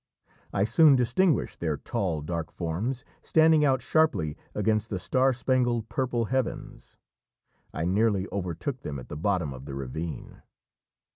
I soon distinguished their tall dark forms standing out sharply against the star spangled purple heavens. I nearly overtook them at the bottom of the ravine.